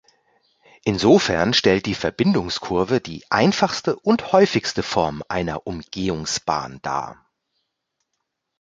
Insofern stellt die Verbindungskurve die einfachste und häufigste Form einer Umgehungsbahn dar.